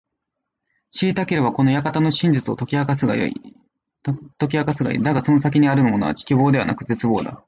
知りたければ、この館の真実を解き明かすがいい。だがその先にあるものは…希望ではなく絶望だ。